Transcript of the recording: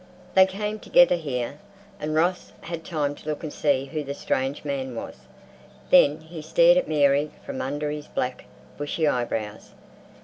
They came together here, and Ross had time to look and see who the strange man was; then he stared at Mary from under his black, bushy eyebrows.